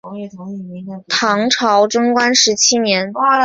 唐朝贞观十七年。